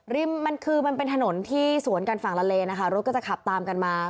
มันคือมันเป็นถนนที่สวนกันฝั่งละเลนะคะรถก็จะขับตามกันมา